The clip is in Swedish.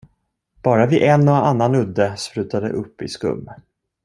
Bara vid en och annan udde sprutade det upp i skum.